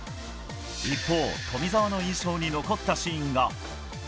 一方、富澤の印象に残ったシーンが。